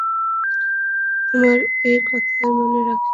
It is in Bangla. আমার এই কথা মনে রাখিস।